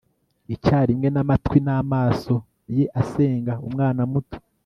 icyarimwe n'amatwi n'amaso ye asenga umwana muto